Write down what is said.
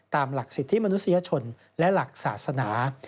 ตามหลักสิทธิมนุษยชนและหลักศาสนา